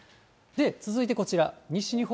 続いてこちら、西日本